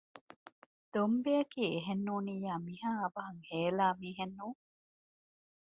ދޮންބެއަކީ އެހެންނޫނިއްޔާ މިހާ އަވަހަށް ހޭލާ މީހެއް ނޫން